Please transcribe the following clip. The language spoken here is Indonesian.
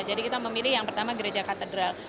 jadi kita memilih yang pertama gereja katedral